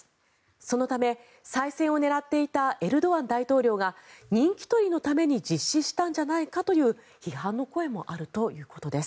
そのため、再選を狙っていたエルドアン大統領が人気取りのために実施したのではないかという批判の声もあるということです。